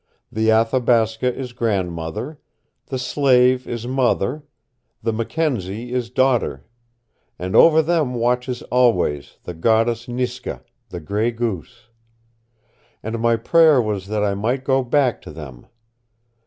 The Athabasca is Grandmother, the Slave is Mother, the Mackenzie is Daughter, and over them watches always the goddess Niska, the Gray Goose. And my prayer was that I might go back to them.